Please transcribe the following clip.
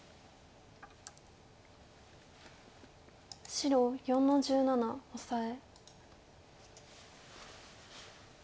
白４の十七オサエ。